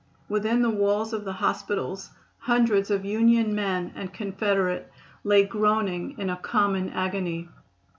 Within the walls of the hospitals hundreds of Union men and Confederates lay groaning in a common agony.